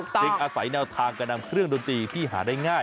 จึงอาศัยแนวทางการนำเครื่องดนตรีที่หาได้ง่าย